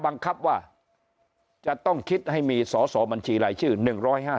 บังคับว่าจะต้องคิดให้มีสสบัญชีรายชื่อหนึ่งร้อยห้า